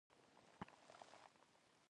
په دې پروسه کې اختراعات او هنرونه شامل دي.